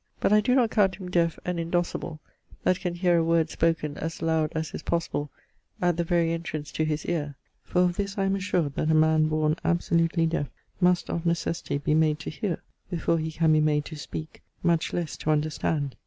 But I doe not count him deafe and indocible that can heare a word spoken as loud as is possible at the very entrance to his eare, for of this I am assured that a man borne absolutely deafe must of necessity be made to heare before he can be made to speake, much lesse to understand.